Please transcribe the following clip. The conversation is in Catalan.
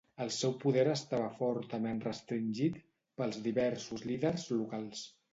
El seu poder estava fortament restringit pels diversos líders locals.